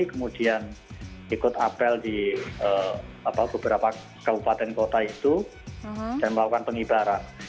kemudian ikut apel di beberapa kabupaten kota itu dan melakukan pengibaran